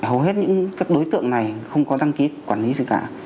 hầu hết những các đối tượng này không có đăng ký quản lý gì cả